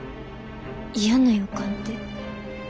嫌な予感て？